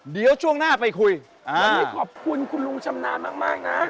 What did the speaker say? เดี๋ยวช่วงหน้าไปคุยวันนี้ขอบคุณคุณลุงชำนาญมากนะ